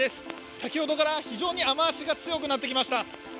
先ほどから非常に雨足が強くなってきました。